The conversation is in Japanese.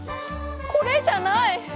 これじゃない！